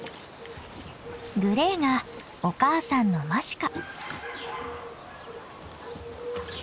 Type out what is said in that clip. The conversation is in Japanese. グレーがお母さんのマシカ。